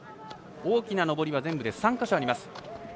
大きな上りは全部で３か所あります。